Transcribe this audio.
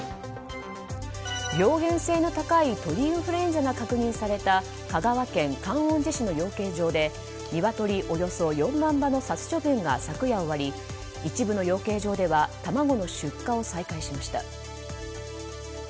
病原性の高い鳥インフルエンザが確認された香川県観音寺市の養鶏場でニワトリおよそ４万羽の殺処分が昨夜終わり一部の養鶏場では卵の出荷を再開しました。